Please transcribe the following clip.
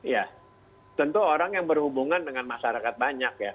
ya tentu orang yang berhubungan dengan masyarakat banyak ya